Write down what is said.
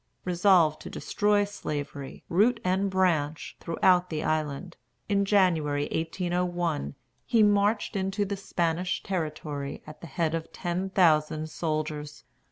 Resolved to destroy Slavery, root and branch, throughout the island, in January, 1801, he marched into the Spanish territory at the head of ten thousand soldiers.